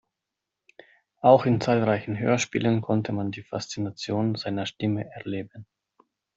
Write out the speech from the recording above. Auch in zahlreichen Hörspielen konnte man die Faszination seiner Stimme erleben.